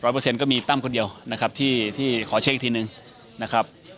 เปอร์เซ็นต์ก็มีตั้มคนเดียวนะครับที่ขอเช็คอีกทีนึงนะครับ